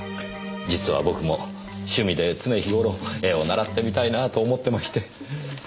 実は僕も趣味で常日頃絵を習ってみたいなあと思ってまして。